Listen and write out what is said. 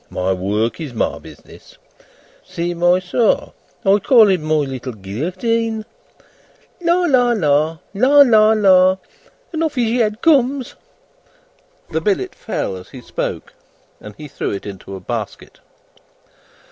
My work is my business. See my saw! I call it my Little Guillotine. La, la, la; La, la, la! And off his head comes!" The billet fell as he spoke, and he threw it into a basket.